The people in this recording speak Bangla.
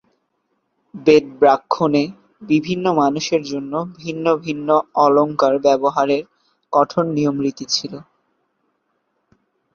বেদব্রাহ্মণে বিভিন্ন মানুষের জন্য ভিন্ন ভিন্ন অলঙ্কার ব্যবহারের কঠোর নিয়মরীতি ছিল।